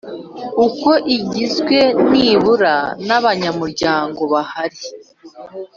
Uko igizwe nibura na banyamuryango bahari